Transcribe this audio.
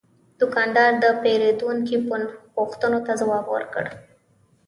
دوکاندار د پیرودونکي پوښتنو ته ځواب ورکړ.